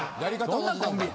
どんなコンビや。